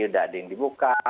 udah ada yang dibuka